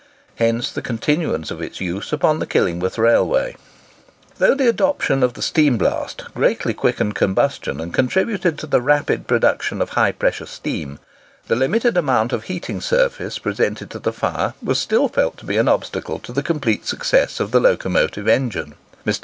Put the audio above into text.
Hence the continuance of its use upon the Killingworth Railway. Though the adoption of the steam blast greatly quickened combustion and contributed to the rapid production of high pressure steam, the limited amount of heating surface presented to the fire was still felt to be an obstacle to the complete success of the locomotive engine. Mr.